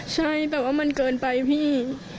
ใช่แบบว่ามันเกินไปพี่